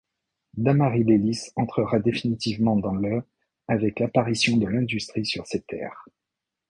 Dammarie-lès-Lys entrera définitivement dans le avec l'apparition de l'industrie sur ses terres.